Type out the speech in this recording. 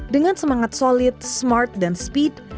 dengan semangat solid smart dan speed